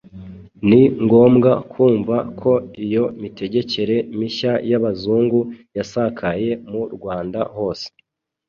Ni ngombwa kumva ko iyo mitegekere mishya y'Abazungu yasakaye mu Rwanda hose